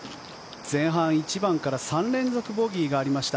前半、１番から３連続ボギーがありました。